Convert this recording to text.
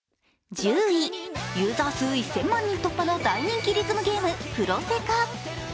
１０位ユーザー数１０００万人突破の大人気ゲーム「プロセカ」。